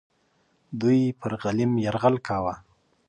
دوی پر غلیم یرغل کاوه.